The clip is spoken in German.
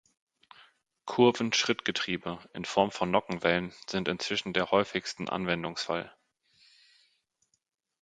Kurven-Schrittgetriebe in Form von Nockenwellen sind inzwischen der häufigsten Anwendungsfall.